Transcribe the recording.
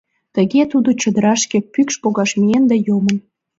Тыге тудо чодырашке пӱкш погаш миен, да йомын;